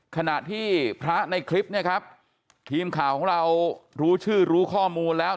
ขณะที่พระในคลิปเนี่ยครับทีมข่าวของเรารู้ชื่อรู้ข้อมูลแล้ว